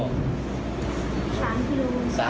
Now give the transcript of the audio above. ๓กิโล